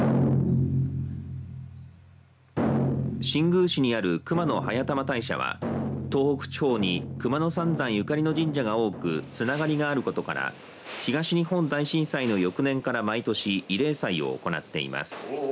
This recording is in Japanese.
新宮市にある熊野速玉大社は東北地方に熊野三山ゆかりの神社が多くつながるがあることから東日本大震災の翌年から毎年慰霊祭を行っています。